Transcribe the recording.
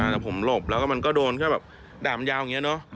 แต่ผมหลบแล้วก็มันก็โดนแค่แบบดามยาวอย่างนี้เนอะ